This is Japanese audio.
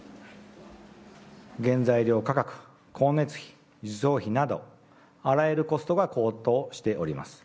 原材料価格、光熱費、輸送費など、あらゆるコストが高騰しております。